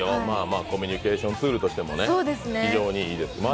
コミュニケーションツールとしても非常にいいです。